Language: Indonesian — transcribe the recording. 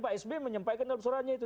pak sby menyampaikan dalam suratnya itu